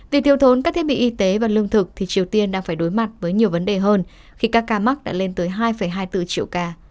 vì thiếu thốn các thiết bị y tế và lương thực thì triều tiên đang phải đối mặt với nhiều vấn đề hơn khi các ca mắc đã lên tới hai hai mươi bốn triệu ca